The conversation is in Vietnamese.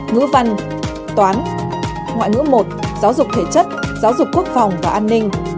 ngữ văn toán ngoại ngữ một giáo dục thể chất giáo dục quốc phòng và an ninh